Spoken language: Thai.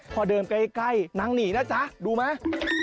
พอเดินใกล้นางหนีนะจ๊ะดูไหม